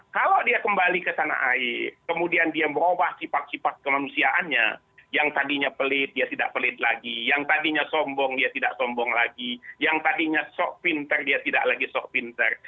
kalau dia kembali ke sana air kemudian dia merubah sifat sifat kemanusiaannya yang tadinya pelit dia tidak pelit lagi yang tadinya sombong dia tidak sombong lagi yang tadinya sok pinter dia tidak lagi sok pinter